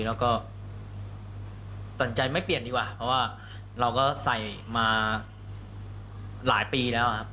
แล้วก็ตัดใจไม่เปลี่ยนดีกว่าเพราะว่าเราก็ใส่มาหลายปีแล้วครับ